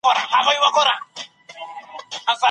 توبرکلوز څنګه تشخیص کیږي؟